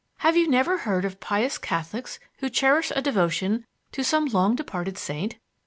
Have you never heard of pious Catholics who cherish a devotion to some long departed saint?